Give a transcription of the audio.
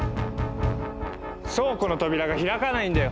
倉庫の扉が開かないんだよ！